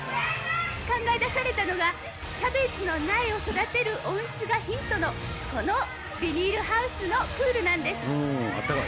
考え出されたのがキャベツの苗を育てる温室がヒントの、このビニールハウスのプールなんです。